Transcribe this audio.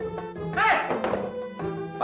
ini bukan baju papa